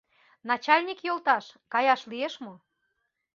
— Начальник йолташ, каяш лиеш мо?